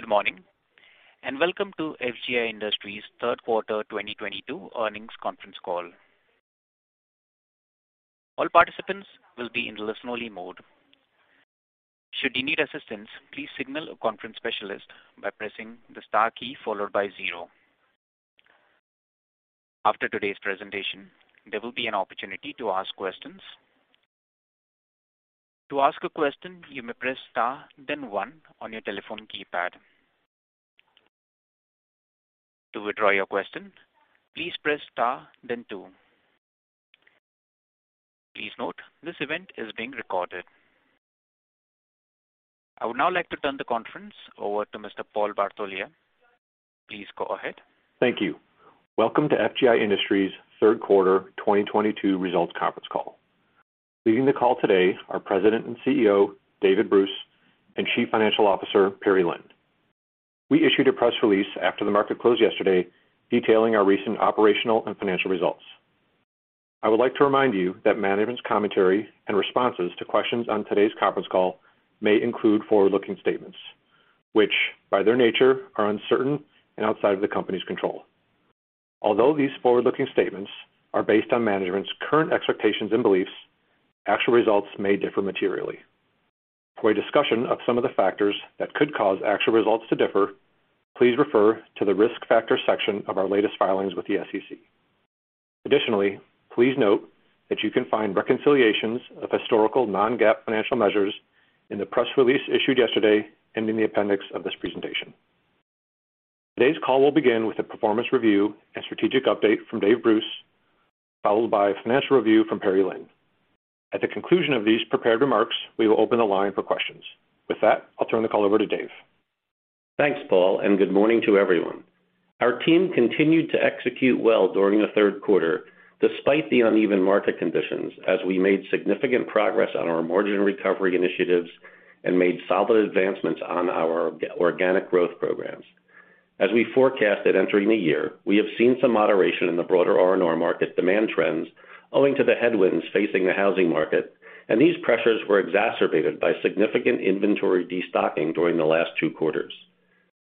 Good morning, and welcome to FGI Industries Third Quarter 2022 Earnings Conference call. All participants will be in listen only mode. Should you need assistance, please signal a conference specialist by pressing the star key followed by zero. After today's presentation, there will be an opportunity to ask questions. To ask a question, you may press star then one on your telephone keypad. To withdraw your question, please press star then two. Please note, this event is being recorded. I would now like to turn the conference over to Mr. Paul Bartolai. Please go ahead. Thank you. Welcome to FGI Industries Third Quarter 2022 Results Conference Call. Leading the call today, our President and CEO, David Bruce, and Chief Financial Officer, Perry Lin. We issued a press release after the market closed yesterday detailing our recent operational and financial results. I would like to remind you that management's commentary and responses to questions on today's conference call may include forward-looking statements, which, by their nature, are uncertain and outside of the company's control. Although these forward-looking statements are based on management's current expectations and beliefs, actual results may differ materially. For a discussion of some of the factors that could cause actual results to differ, please refer to the Risk Factors section of our latest filings with the SEC. Additionally, please note that you can find reconciliations of historical non-GAAP financial measures in the press release issued yesterday and in the appendix of this presentation. Today's call will begin with a performance review and strategic update from David Bruce, followed by a financial review from Perry Lin. At the conclusion of these prepared remarks, we will open the line for questions. With that, I'll turn the call over to David. Thanks, Paul, and good morning to everyone. Our team continued to execute well during the third quarter despite the uneven market conditions as we made significant progress on our margin recovery initiatives and made solid advancements on our organic growth programs. As we forecasted entering the year, we have seen some moderation in the broader R&R market demand trends owing to the headwinds facing the housing market, and these pressures were exacerbated by significant inventory destocking during the last two quarters.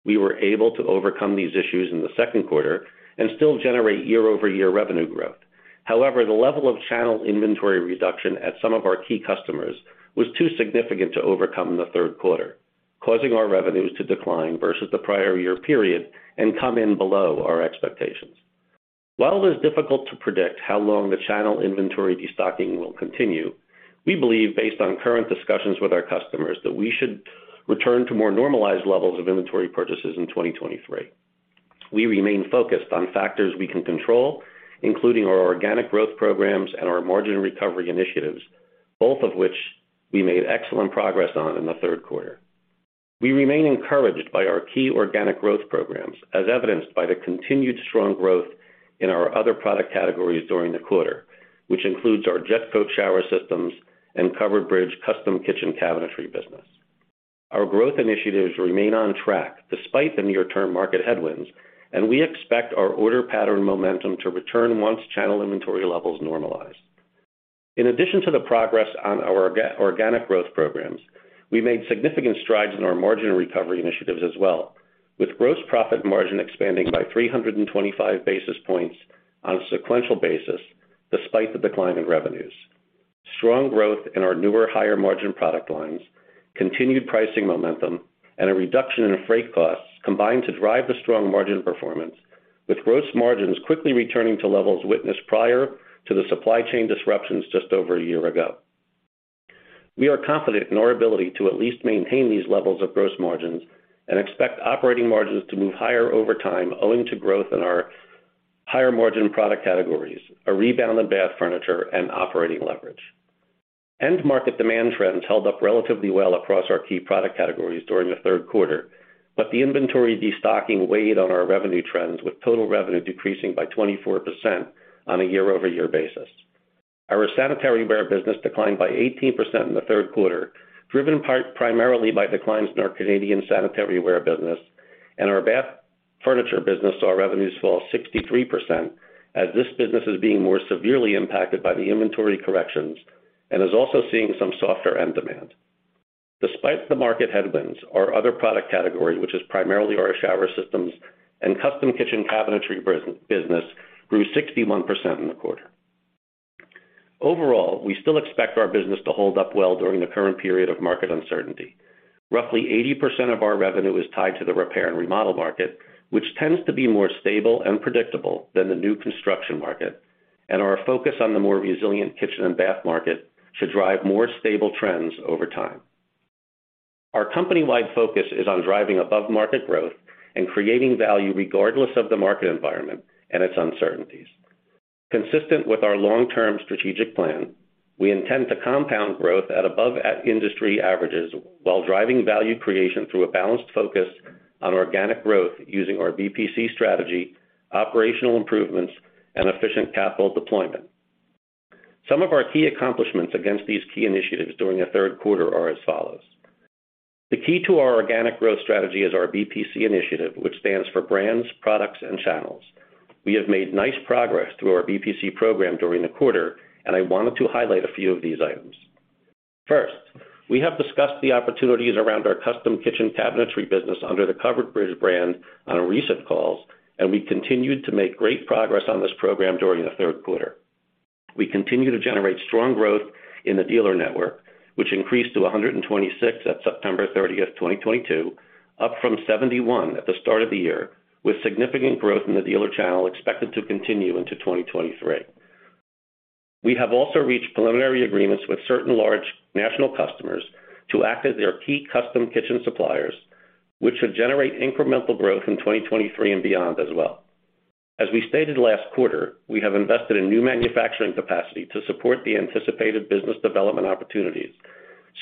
We were able to overcome these issues in the second quarter and still generate year-over-year revenue growth. However, the level of channel inventory reduction at some of our key customers was too significant to overcome in the third quarter, causing our revenues to decline versus the prior year period and come in below our expectations. While it is difficult to predict how long the channel inventory destocking will continue, we believe based on current discussions with our customers that we should return to more normalized levels of inventory purchases in 2023. We remain focused on factors we can control, including our organic growth programs and our margin recovery initiatives, both of which we made excellent progress on in the third quarter. We remain encouraged by our key organic growth programs, as evidenced by the continued strong growth in our other product categories during the quarter, which includes our JETCOAT Shower Systems and Covered Bridge Custom Kitchen Cabinetry business. Our growth initiatives remain on track despite the near-term market headwinds, and we expect our order pattern momentum to return once channel inventory levels normalize. In addition to the progress on our organic growth programs, we made significant strides in our margin recovery initiatives as well, with gross profit margin expanding by 325 basis points on a sequential basis despite the decline in revenues. Strong growth in our newer, higher margin product lines, continued pricing momentum, and a reduction in freight costs combined to drive the strong margin performance, with gross margins quickly returning to levels witnessed prior to the supply chain disruptions just over a year ago. We are confident in our ability to at least maintain these levels of gross margins and expect operating margins to move higher over time owing to growth in our higher margin product categories, a rebound in bath furniture, and operating leverage. End market demand trends held up relatively well across our key product categories during the third quarter, but the inventory destocking weighed on our revenue trends, with total revenue decreasing by 24% on a year-over-year basis. Our Sanitaryware business declined by 18% in the third quarter, driven in part primarily by declines in our Canadian Sanitaryware business. Our Bath Furniture business saw revenues fall 63%, as this business is being more severely impacted by the inventory corrections and is also seeing some softer end demand. Despite the market headwinds, our other product category, which is primarily our Shower Systems and Custom Kitchen Cabinetry business, grew 61% in the quarter. Overall, we still expect our business to hold up well during the current period of market uncertainty. Roughly 80% of our revenue is tied to the repair and remodel market, which tends to be more stable and predictable than the new construction market, and our focus on the more resilient kitchen and bath market should drive more stable trends over time. Our company-wide focus is on driving above-market growth and creating value regardless of the market environment and its uncertainties. Consistent with our long-term strategic plan, we intend to compound growth at above industry averages while driving value creation through a balanced focus on organic growth using our BPC strategy, operational improvements, and efficient capital deployment. Some of our key accomplishments against these key initiatives during the third quarter are as follows. The key to our organic growth strategy is our BPC initiative, which stands for brands, products, and channels. We have made nice progress through our BPC program during the quarter, and I wanted to highlight a few of these items. First, we have discussed the opportunities around our Custom Kitchen Cabinetry business under the Covered Bridge brand on recent calls, and we continued to make great progress on this program during the third quarter. We continue to generate strong growth in the dealer network, which increased to 126 at September 30th, 2022, up from 71 at the start of the year, with significant growth in the dealer channel expected to continue into 2023. We have also reached preliminary agreements with certain large national customers to act as their key custom kitchen suppliers, which should generate incremental growth in 2023 and beyond as well. As we stated last quarter, we have invested in new manufacturing capacity to support the anticipated business development opportunities,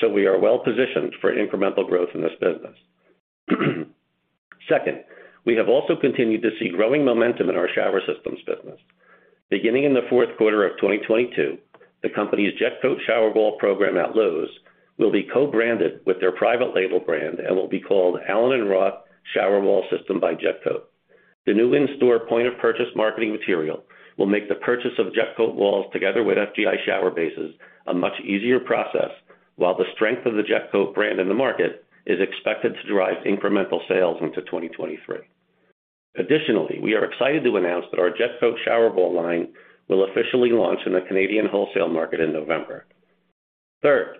so we are well-positioned for incremental growth in this business. Second, we have also continued to see growing momentum in our shower systems business. Beginning in the fourth quarter of 2022, the company's JETCOAT Shower Wall program at Lowe's will be co-branded with their private label brand and will be called allen + roth Shower Wall System by JETCOAT. The new in-store point of purchase marketing material will make the purchase of JETCOAT walls together with FGI shower bases a much easier process, while the strength of the JETCOAT brand in the market is expected to drive incremental sales into 2023. Additionally, we are excited to announce that our JETCOAT Shower Wall line will officially launch in the Canadian wholesale market in November. Third,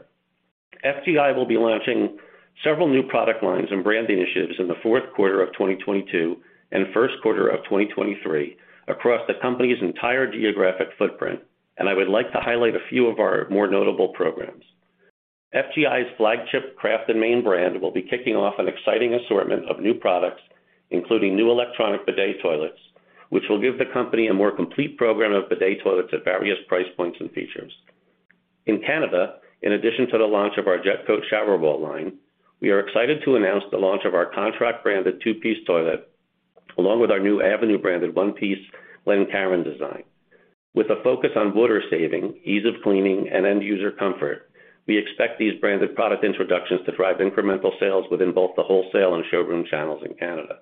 FGI will be launching several new product lines and branding initiatives in the fourth quarter of 2022 and first quarter of 2023 across the company's entire geographic footprint, and I would like to highlight a few of our more notable programs. FGI's flagship CRAFT + MAIN brand will be kicking off an exciting assortment of new products, including new electronic bidet toilets, which will give the company a more complete program of bidet toilets at various price points and features. In Canada, in addition to the launch of our JETCOAT Shower Wall line, we are excited to announce the launch of our Contract branded two-piece toilet, along with our new Avenue branded one-piece Glencairn design. With a focus on water saving, ease of cleaning, and end user comfort, we expect these branded product introductions to drive incremental sales within both the wholesale and showroom channels in Canada.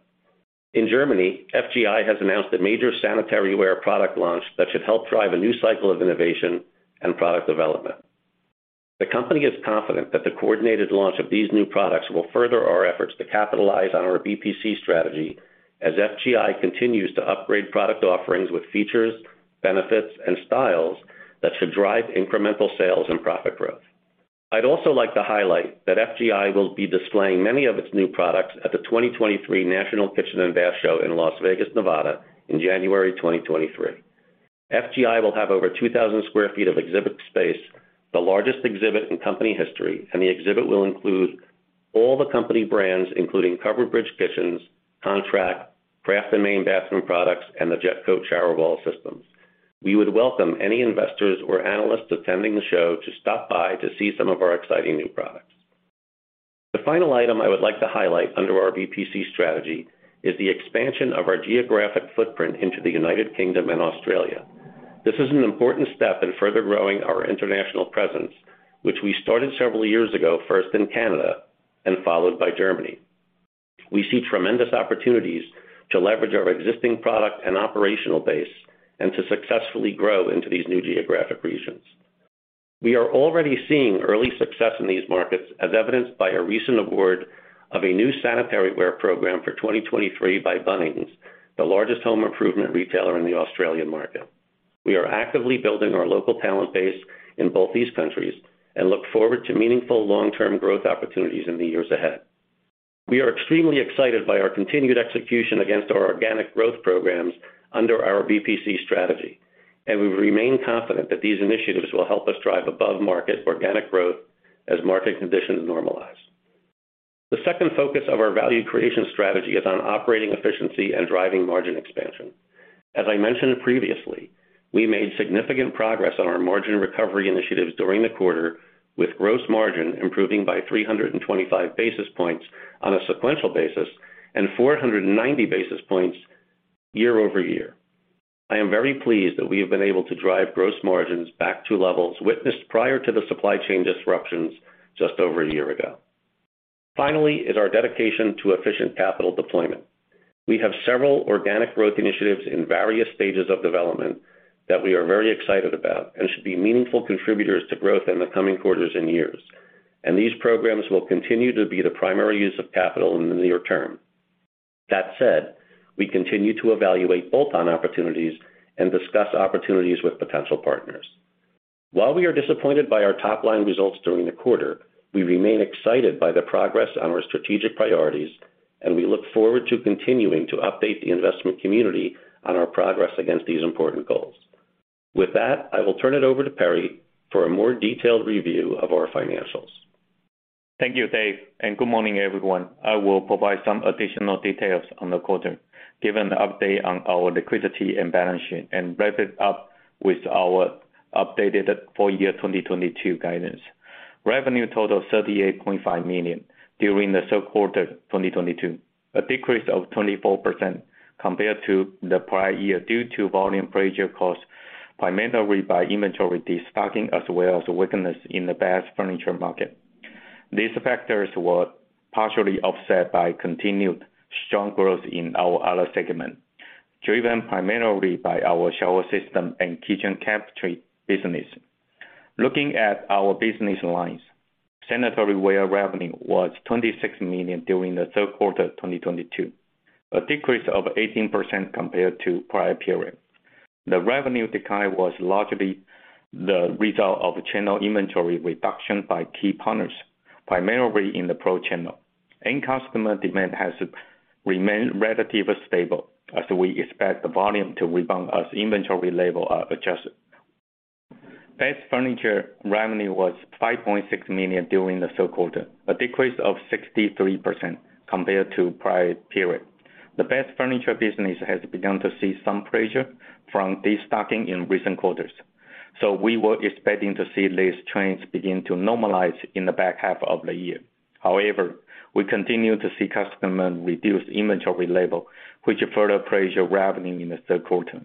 In Germany, FGI has announced a major Sanitaryware product launch that should help drive a new cycle of innovation and product development. The company is confident that the coordinated launch of these new products will further our efforts to capitalize on our BPC strategy as FGI continues to upgrade product offerings with features, benefits, and styles that should drive incremental sales and profit growth. I'd also like to highlight that FGI will be displaying many of its new products at the 2023 National Kitchen & Bath Show in Las Vegas, Nevada, in January 2023. FGI will have over 2,000 sq ft of exhibit space, the largest exhibit in company history, and the exhibit will include all the company brands, including Covered Bridge Kitchens, Contract, CRAFT + MAIN Bathroom Products, and the JETCOAT Shower Wall Systems. We would welcome any investors or analysts attending the show to stop by to see some of our exciting new products. The final item I would like to highlight under our BPC strategy is the expansion of our geographic footprint into the United Kingdom and Australia. This is an important step in further growing our international presence, which we started several years ago, first in Canada and followed by Germany. We see tremendous opportunities to leverage our existing product and operational base and to successfully grow into these new geographic regions. We are already seeing early success in these markets as evidenced by a recent award of a new Sanitaryware program for 2023 by Bunnings, the largest home improvement retailer in the Australian market. We are actively building our local talent base in both these countries and look forward to meaningful long-term growth opportunities in the years ahead. We are extremely excited by our continued execution against our organic growth programs under our BPC strategy, and we remain confident that these initiatives will help us drive above-market organic growth as market conditions normalize. The second focus of our value creation strategy is on operating efficiency and driving margin expansion. As I mentioned previously, we made significant progress on our margin recovery initiatives during the quarter with gross margin improving by 325 basis points on a sequential basis and 490 basis points year-over-year. I am very pleased that we have been able to drive gross margins back to levels witnessed prior to the supply chain disruptions just over a year ago. Finally is our dedication to efficient capital deployment. We have several organic growth initiatives in various stages of development that we are very excited about and should be meaningful contributors to growth in the coming quarters and years. These programs will continue to be the primary use of capital in the near term. That said, we continue to evaluate bolt-on opportunities and discuss opportunities with potential partners. While we are disappointed by our top-line results during the quarter, we remain excited by the progress on our strategic priorities, and we look forward to continuing to update the investment community on our progress against these important goals. With that, I will turn it over to Perry for a more detailed review of our financials. Thank you, Dave, and good morning, everyone. I will provide some additional details on the quarter, give an update on our liquidity and balance sheet, and wrap it up with our updated full year 2022 guidance. Revenue totaled $38.5 million during the third quarter 2022, a decrease of 24% compared to the prior year due to volume pressure caused primarily by inventory destocking as well as weakness in the Bath Furniture market. These factors were partially offset by continued strong growth in our other segment, driven primarily by our Shower System and Kitchen Cabinetry business. Looking at our business lines, Sanitaryware revenue was $26 million during the third quarter 2022, a decrease of 18% compared to prior period. The revenue decline was largely the result of channel inventory reduction by key partners, primarily in the pro channel. End customer demand has remained relatively stable as we expect the volume to rebound as inventory level are adjusted. Bath Furniture revenue was $5.6 million during the third quarter, a decrease of 63% compared to prior period. The Bath Furniture business has begun to see some pressure from destocking in recent quarters, so we were expecting to see these trends begin to normalize in the back half of the year. However, we continue to see customer reduce inventory level, which further pressure revenue in the third quarter.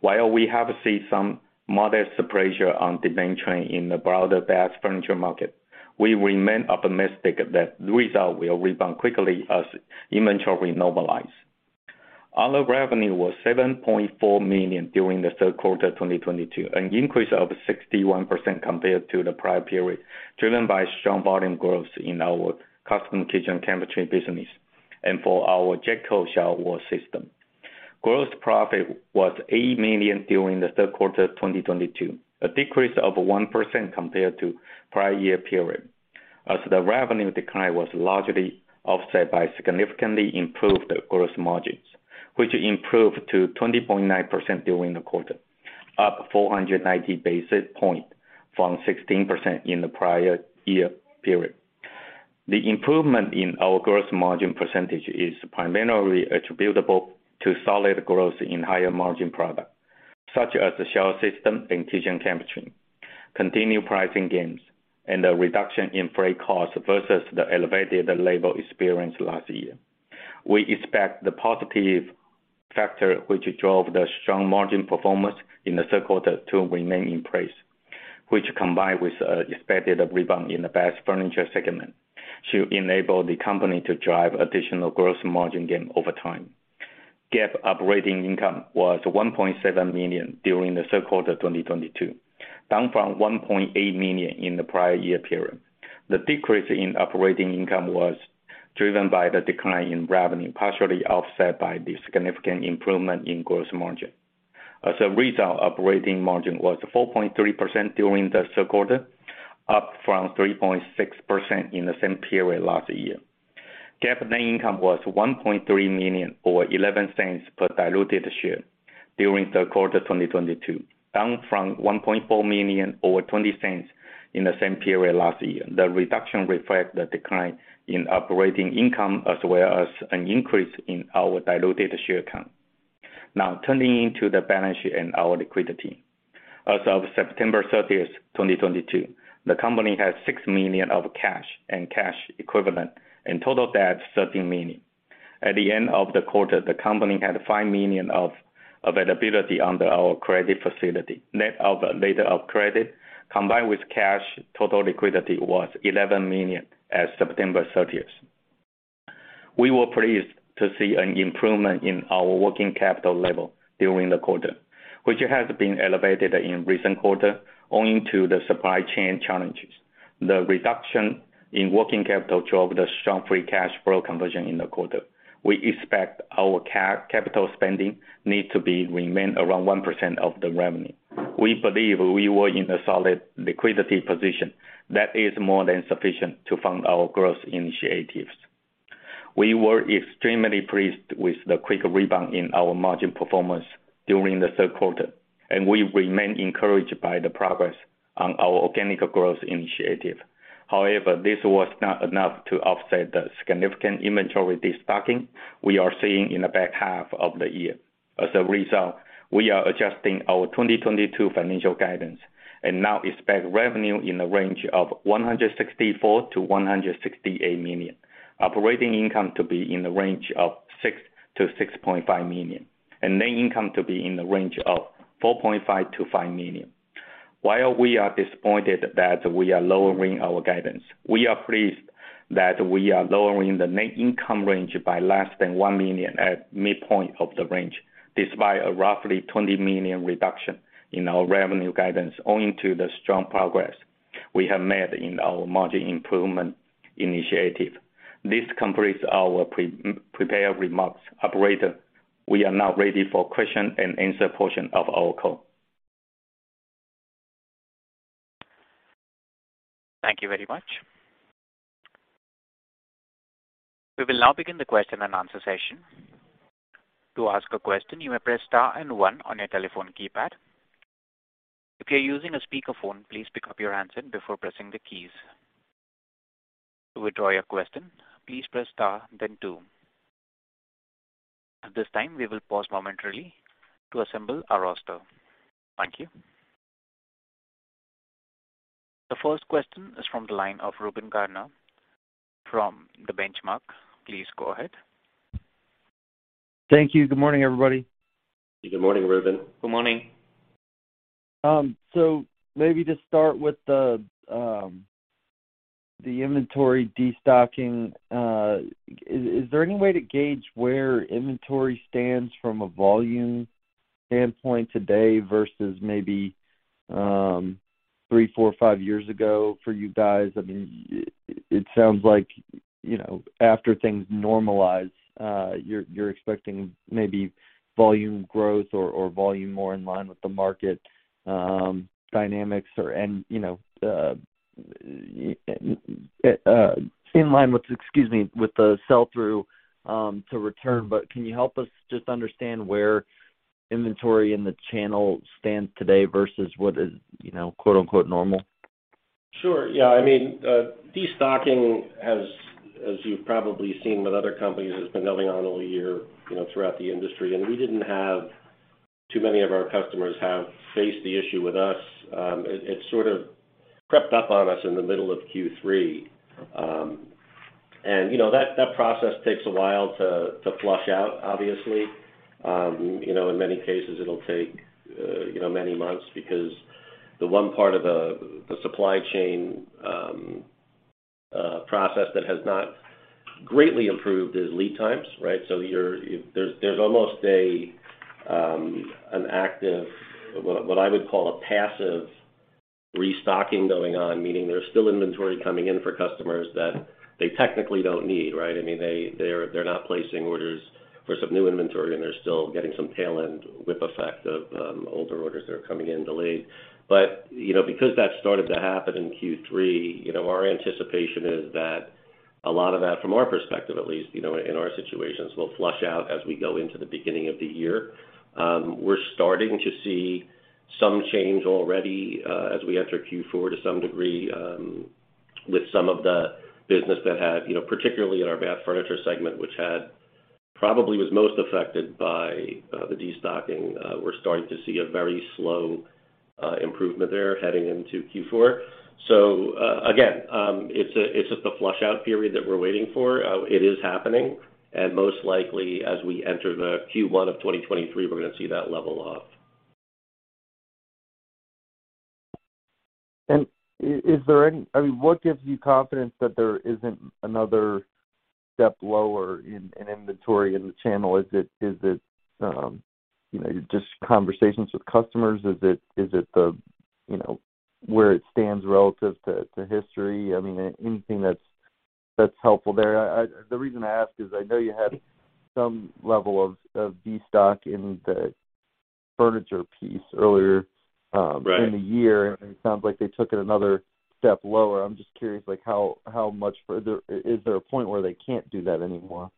While we have seen some modest pressure on demand trend in the broader Bath Furniture market, we remain optimistic that the result will rebound quickly as inventory normalize. Other revenue was $7.4 million during the third quarter 2022, an increase of 61% compared to the prior period, driven by strong volume growth in our Custom Kitchen Cabinetry business and for our JETCOAT Shower System. Gross profit was $8 million during the third quarter 2022, a decrease of 1% compared to prior-year period, as the revenue decline was largely offset by significantly improved gross margins, which improved to 20.9% during the quarter, up 490 basis points from 16% in the prior-year period. The improvement in our gross margin percentage is primarily attributable to solid growth in higher-margin products such as the shower system and kitchen cabinetry, continued pricing gains, and a reduction in freight costs versus the elevated labor expenses last year. We expect the positive factor which drove the strong margin performance in the third quarter to remain in place, which combined with expected rebound in the bath furniture segment should enable the company to drive additional gross margin gain over time. GAAP operating income was $1.7 million during the third quarter 2022, down from $1.8 million in the prior year period. The decrease in operating income was driven by the decline in revenue, partially offset by the significant improvement in gross margin. As a result, operating margin was 4.3% during the third quarter, up from 3.6% in the same period last year. GAAP net income was $1.3 million or $0.11 per diluted share during third quarter 2022, down from $1.4 million or $0.20 in the same period last year. The reduction reflects the decline in operating income as well as an increase in our diluted share count. Now turning to the balance sheet and our liquidity. As of September 30th, 2022, the company has $6 million of cash and cash equivalents and total debt $13 million. At the end of the quarter, the company had $5 million of availability under our credit facility. Net of letter of credit, combined with cash, total liquidity was $11 million as of September 30th. We were pleased to see an improvement in our working capital level during the quarter, which has been elevated in recent quarter owing to the supply chain challenges. The reduction in working capital drove the strong free cash flow conversion in the quarter. We expect our capital spending need to remain around 1% of the revenue. We believe we were in a solid liquidity position that is more than sufficient to fund our growth initiatives. We were extremely pleased with the quick rebound in our margin performance during the third quarter, and we remain encouraged by the progress on our organic growth initiative. However, this was not enough to offset the significant inventory destocking we are seeing in the back half of the year. As a result, we are adjusting our 2022 financial guidance and now expect revenue in the range of $164 million-$168 million, operating income to be in the range of $6 million-$6.5 million, and net income to be in the range of $4.5 million-$5 million. While we are disappointed that we are lowering our guidance, we are pleased that we are lowering the net income range by less than $1 million at midpoint of the range, despite a roughly $20 million reduction in our revenue guidance owing to the strong progress we have made in our margin improvement initiative. This completes our pre-prepared remarks. Operator, we are now ready for question and answer portion of our call. Thank you very much. We will now begin the question and answer session. To ask a question, you may press star and one on your telephone keypad. If you're using a speakerphone, please pick up your handset before pressing the keys. To withdraw your question, please press star then two. At this time, we will pause momentarily to assemble our roster. Thank you. The first question is from the line of Reuben Garner from The Benchmark. Please go ahead. Thank you. Good morning, everybody. Good morning, Reuben. Good morning. Maybe just start with the inventory destocking. Is there any way to gauge where inventory stands from a volume standpoint today versus maybe three, four, five years ago for you guys? I mean, it sounds like, you know, after things normalize, you're expecting maybe volume growth or volume more in line with the market dynamics or, you know, in line with, excuse me, with the sell-through to return. Can you help us just understand where inventory in the channel stands today versus what is, you know, quote-unquote, normal? Sure. Yeah. I mean, destocking has, as you've probably seen with other companies, been going on all year, you know, throughout the industry. We didn't have too many of our customers have faced the issue with us. It sort of crept up on us in the middle of Q3. You know, that process takes a while to flush out, obviously. You know, in many cases, it'll take, you know, many months because the one part of the supply chain process that has not greatly improved is lead times, right? There's almost an active, what I would call a passive restocking going on, meaning there's still inventory coming in for customers that they technically don't need, right? I mean, they're not placing orders for some new inventory, and they're still getting some tail end whip effect of older orders that are coming in delayed. You know, because that started to happen in Q3, you know, our anticipation is that a lot of that, from our perspective at least, you know, in our situations, will flush out as we go into the beginning of the year. We're starting to see some change already as we enter Q4 to some degree with some of the business that had, you know, particularly in our Bath Furniture segment, which probably was most affected by the destocking. We're starting to see a very slow improvement there heading into Q4. Again, it's just a flush out period that we're waiting for. It is happening, and most likely, as we enter the Q1 of 2023, we're gonna see that level off. Is there any? I mean, what gives you confidence that there isn't another step lower in inventory in the channel? Is it, you know, just conversations with customers? Is it the, you know, where it stands relative to history? I mean, anything that's helpful there. The reason I ask is I know you had some level of destock in the furniture piece earlier. Right In the year, it sounds like they took it another step lower. I'm just curious, like, how much further? Is there a point where they can't do that anymore?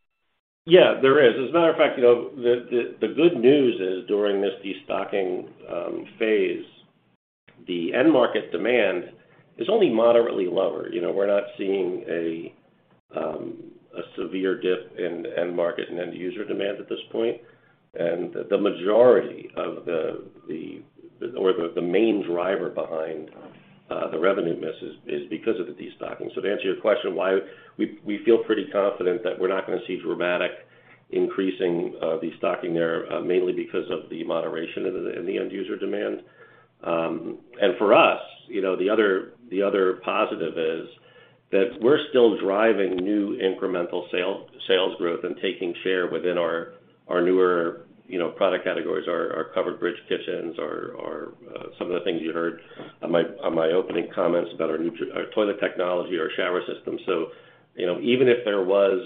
Yeah, there is. As a matter of fact, you know, the good news is during this destocking phase, the end market demand is only moderately lower. You know, we're not seeing a severe dip in the end market and end user demand at this point. The majority, or the main driver behind the revenue misses is because of the destocking. To answer your question why we feel pretty confident that we're not gonna see dramatic increasing of destocking there, mainly because of the moderation in the end user demand. For us, you know, the other positive is that we're still driving new incremental sales growth and taking share within our newer, you know, product categories, our Covered Bridge kitchens or some of the things you heard on my opening comments about our toilet technology, our shower system. You know, even if there was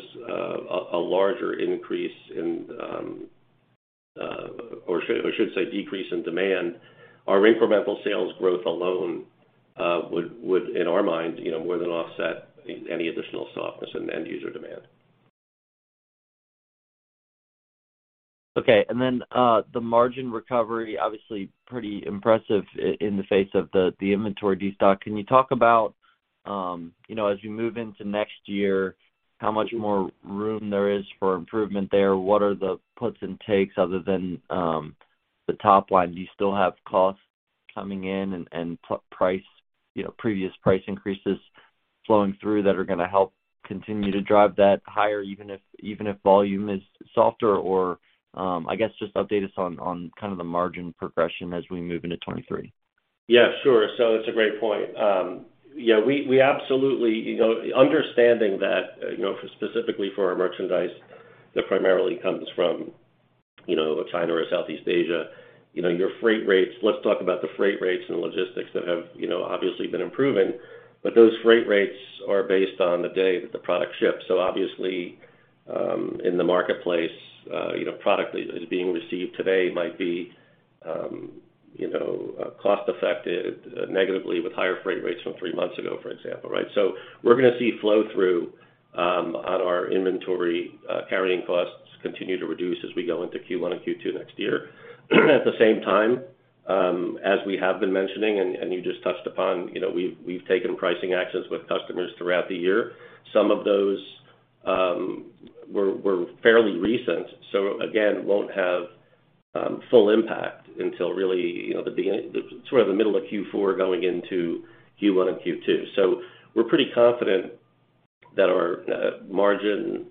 a larger increase in or I should say decrease in demand, our incremental sales growth alone would in our mind, you know, more than offset any additional softness in end user demand. Okay. The margin recovery obviously pretty impressive in the face of the inventory destock. Can you talk about, you know, as you move into next year, how much more room there is for improvement there? What are the puts and takes other than the top line? Do you still have costs coming in and price, you know, previous price increases flowing through that are gonna help continue to drive that higher, even if volume is softer or I guess just update us on kind of the margin progression as we move into 2023. Yeah, sure. It's a great point. Yeah, we absolutely you know, understanding that you know, specifically for our merchandise that primarily comes from you know, China or Southeast Asia, you know, your freight rates. Let's talk about the freight rates and logistics that have you know, obviously been improving. Those freight rates are based on the day that the product ships. Obviously, in the marketplace, you know, product that is being received today might be cost affected negatively with higher freight rates from three months ago, for example, right? We're gonna see flow-through on our inventory carrying costs continue to reduce as we go into Q1 and Q2 next year. At the same time, as we have been mentioning and you just touched upon, you know, we've taken pricing actions with customers throughout the year. Some of those were fairly recent, so again, won't have full impact until really, you know, the sort of the middle of Q4 going into Q1 and Q2. We're pretty confident that our margin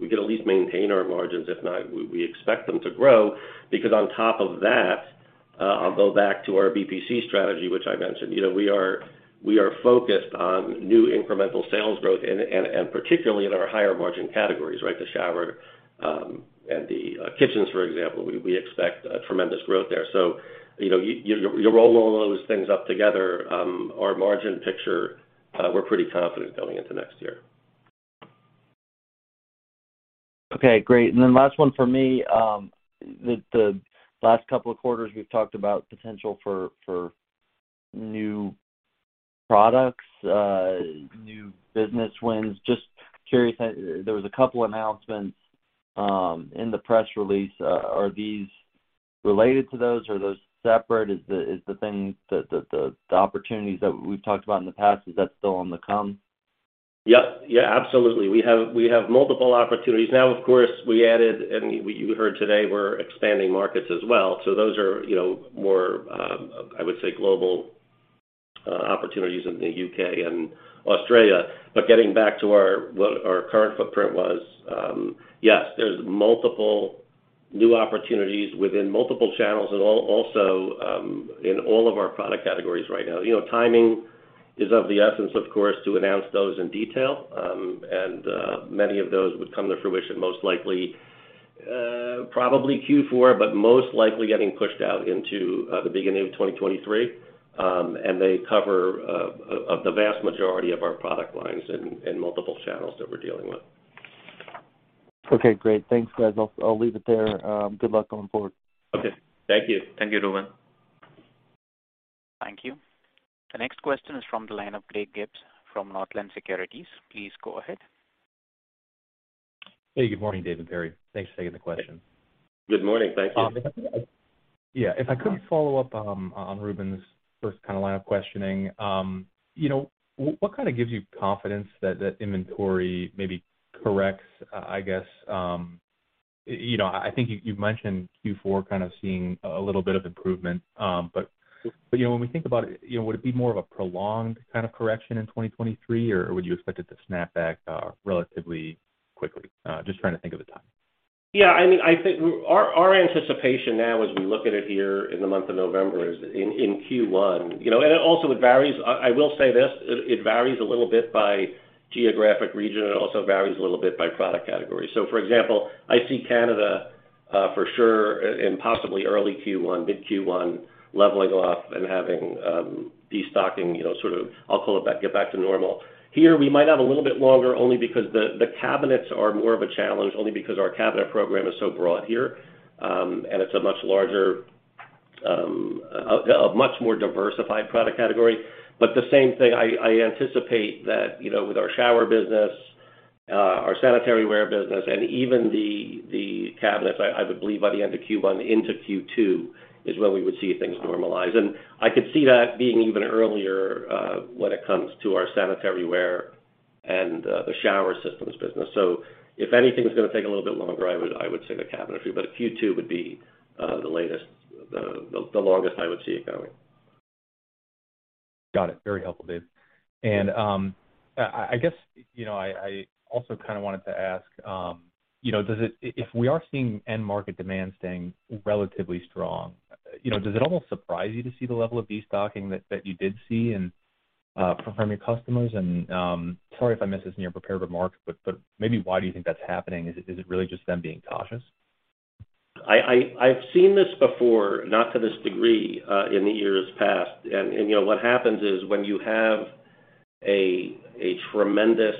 we can at least maintain our margins. If not, we expect them to grow because on top of that, I'll go back to our BPC strategy, which I mentioned. You know, we are focused on new incremental sales growth and particularly in our higher margin categories, right? The shower and the kitchens, for example. We expect a tremendous growth there. You know, you roll all those things up together, our margin picture, we're pretty confident going into next year. Okay, great. Last one for me. The last couple of quarters, we've talked about potential for new products, new business wins. Just curious, there was a couple announcements in the press release. Are these related to those? Are those separate? Is the thing the opportunities that we've talked about in the past, is that still on the come? Yep. Yeah, absolutely. We have multiple opportunities. Now, of course, you heard today we're expanding markets as well. Those are, you know, more, I would say global, opportunities in the U.K. and Australia. Getting back to what our current footprint was, yes, there's multiple new opportunities within multiple channels and also in all of our product categories right now. You know, timing is of the essence, of course, to announce those in detail. Many of those would come to fruition most likely, probably Q4, but most likely getting pushed out into the beginning of 2023. They cover the vast majority of our product lines in multiple channels that we're dealing with. Okay, great. Thanks, guys. I'll leave it there. Good luck going forward. Okay. Thank you. Thank you, Reuben. Thank you. The next question is from the line of Greg Gibas from Northland Securities. Please go ahead. Hey, good morning, David Perry. Thanks for taking the question. Good morning. Thank you. Yeah, if I could follow up on Reuben's first kind of line of questioning. You know, what kind of gives you confidence that that inventory maybe corrects, I guess. You know, I think you've mentioned Q4 kind of seeing a little bit of improvement. But you know, when we think about it, you know, would it be more of a prolonged kind of correction in 2023, or would you expect it to snap back relatively quickly? Just trying to think of the time. Yeah, I mean, I think our anticipation now as we look at it here in the month of November is in Q1. You know, it varies. I will say this, it varies a little bit by geographic region, and it also varies a little bit by product category. For example, I see Canada for sure and possibly early Q1, mid Q1, leveling off and having destocking, you know, sort of I'll call it back, get back to normal. Here, we might have a little bit longer only because the cabinets are more of a challenge, only because our cabinet program is so broad here, and it's a much larger, a much more diversified product category. I anticipate that, you know, with our shower business, our Sanitaryware business, and even the cabinets, I would believe by the end of Q1 into Q2 is when we would see things normalize. I could see that being even earlier, when it comes to our Sanitaryware and the shower systems business. If anything's gonna take a little bit longer, I would say the cabinetry, but Q2 would be the latest, the longest I would see it going. Got it. Very helpful, Dave. I guess, you know, I also kind of wanted to ask, you know, does it, if we are seeing end market demand staying relatively strong, you know, does it almost surprise you to see the level of destocking that you did see and from your customers? Sorry if I missed this in your prepared remarks, but maybe why do you think that's happening? Is it really just them being cautious? I've seen this before, not to this degree, in the years past. You know, what happens is when you have a tremendous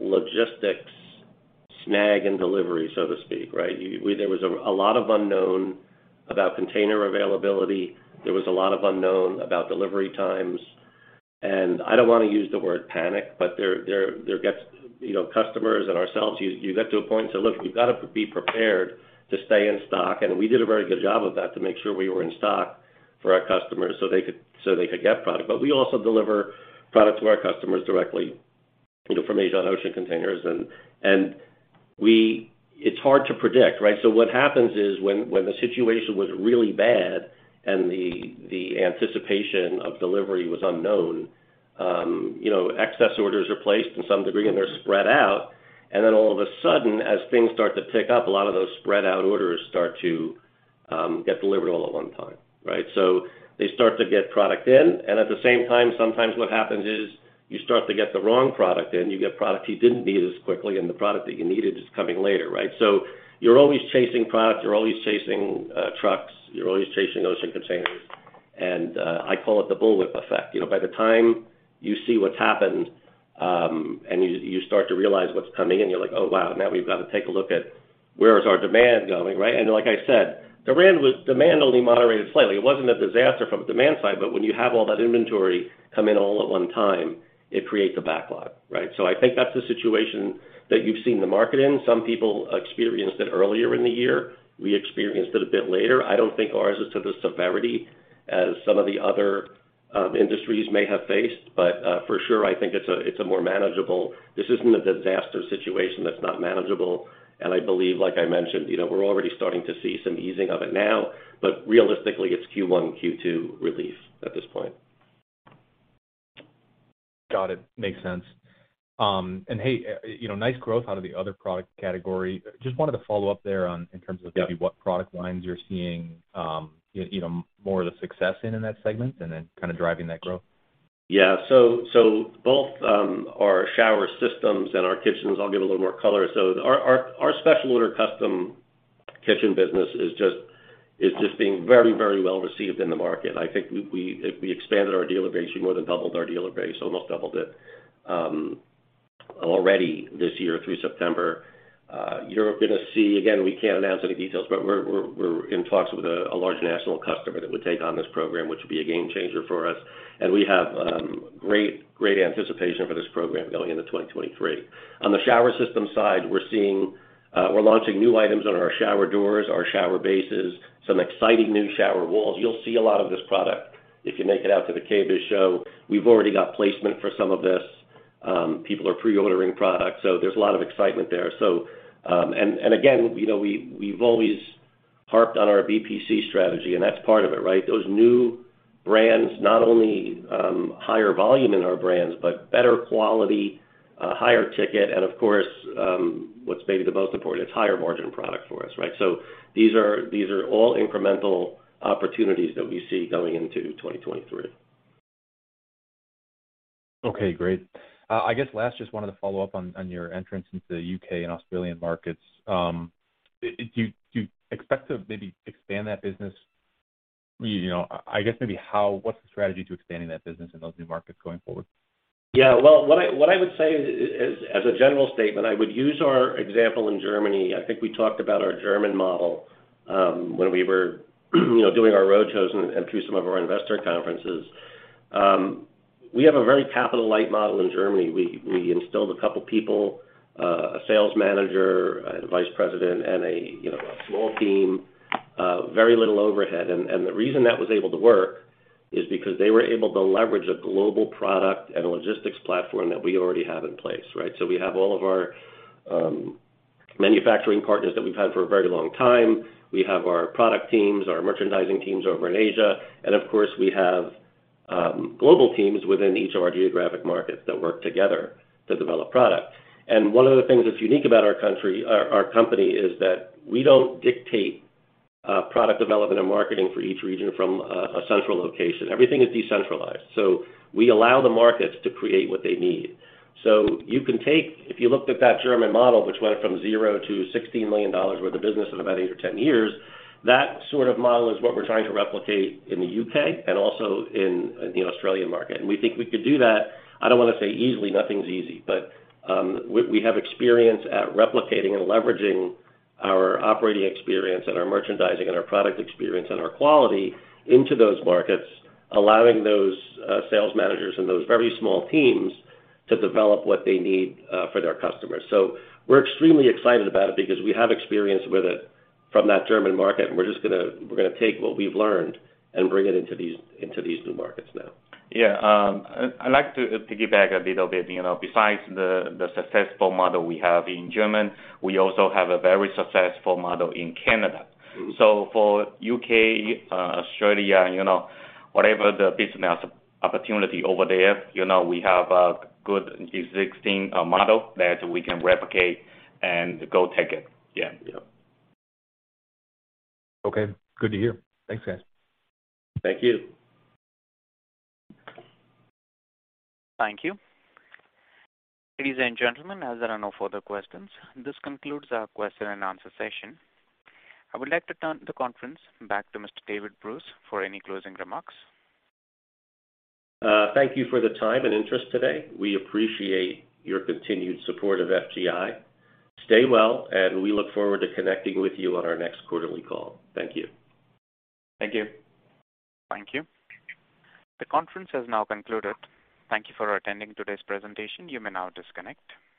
logistics snag in delivery, so to speak, right? There was a lot of unknown about container availability. There was a lot of unknown about delivery times. I don't wanna use the word panic, but there gets, you know, customers and ourselves, you get to a point and say, "Look, we've got to be prepared to stay in stock." We did a very good job of that to make sure we were in stock for our customers so they could get product. But we also deliver product to our customers directly, you know, from Asian ocean containers. It's hard to predict, right? What happens is when the situation was really bad and the anticipation of delivery was unknown, you know, excess orders are placed to some degree, and they're spread out. Then all of a sudden, as things start to pick up, a lot of those spread out orders start to get delivered all at one time, right? They start to get product in, and at the same time, sometimes what happens is you start to get the wrong product in. You get product you didn't need as quickly, and the product that you needed is coming later, right? You're always chasing product, you're always chasing trucks, you're always chasing ocean containers. I call it the bullwhip effect. You know, by the time you see what's happened, and you start to realize what's coming in, you're like, "Oh, wow. Now we've got to take a look at where is our demand going, right? Like I said, demand only moderated slightly. It wasn't a disaster from a demand side, but when you have all that inventory come in all at one time, it creates a backlog, right? I think that's the situation that you've seen the market in. Some people experienced it earlier in the year. We experienced it a bit later. I don't think ours is to the severity as some of the other industries may have faced, but for sure, I think it's a more manageable. This isn't a disaster situation that's not manageable. I believe, like I mentioned, you know, we're already starting to see some easing of it now, but realistically, it's Q1, Q2 relief at this point. Got it. Makes sense. Hey, you know, nice growth out of the other product category. Just wanted to follow up there on, in terms of- Yeah. Maybe what product lines you're seeing, you know, more of the success in that segment and then kinda driving that growth. Yeah. Both our shower systems and our kitchens, I'll give a little more color. Our special order custom kitchen business is just being very well received in the market. I think if we expanded our dealer base, we more than doubled our dealer base, almost doubled it already this year through September. You're gonna see. Again, we can't announce any details, but we're in talks with a large national customer that would take on this program, which would be a game changer for us. We have great anticipation for this program going into 2023. On the shower system side, we're launching new items on our shower doors, our shower bases, some exciting new shower walls. You'll see a lot of this product if you make it out to the KBIS show. We've already got placement for some of this. People are pre-ordering products, so there's a lot of excitement there. Again, you know, we've always harped on our BPC strategy, and that's part of it, right? Those new brands, not only higher volume in our brands, but better quality, higher ticket, and of course, what's maybe the most important, it's higher margin product for us, right? These are all incremental opportunities that we see going into 2023. Okay, great. I guess last, just wanted to follow up on your entrance into the U.K. and Australian markets. Do you expect to maybe expand that business? You know, I guess maybe what's the strategy to expanding that business in those new markets going forward? Well, what I would say as a general statement, I would use our example in Germany. I think we talked about our German model when we were, you know, doing our roadshows and through some of our investor conferences. We have a very capital-light model in Germany. We installed a couple people, a sales manager, a vice president, and, you know, a small team, very little overhead. The reason that was able to work is because they were able to leverage a global product and a logistics platform that we already have in place, right? We have all of our manufacturing partners that we've had for a very long time. We have our product teams, our merchandising teams over in Asia, and of course, we have global teams within each of our geographic markets that work together to develop product. One of the things that's unique about our company is that we don't dictate product development and marketing for each region from a central location. Everything is decentralized. We allow the markets to create what they need. You can take. If you looked at that German model, which went from $0 to $16 million worth of business in about eight or 10 years, that sort of model is what we're trying to replicate in the U.K. and also in the Australian market. We think we could do that, I don't wanna say easily, nothing's easy. We have experience at replicating and leveraging our operating experience and our merchandising and our product experience and our quality into those markets, allowing those sales managers and those very small teams to develop what they need for their customers. We're extremely excited about it because we have experience with it from that German market, and we're gonna take what we've learned and bring it into these new markets now. Yeah. I'd like to piggyback a little bit. You know, besides the successful model we have in Germany, we also have a very successful model in Canada. Mm-hmm. For U.K., Australia, you know, whatever the business opportunity over there, you know, we have a good existing model that we can replicate and go take it. Yeah. Yeah. Okay. Good to hear. Thanks, guys. Thank you. Thank you. Ladies and gentlemen, as there are no further questions, this concludes our question and answer session. I would like to turn the conference back to Mr. David Bruce for any closing remarks. Thank you for the time and interest today. We appreciate your continued support of FGI. Stay well, and we look forward to connecting with you on our next quarterly call. Thank you. Thank you. Thank you. The conference has now concluded. Thank you for attending today's presentation. You may now disconnect.